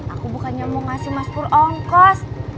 aku bukannya mau ngasih mas pur ongkos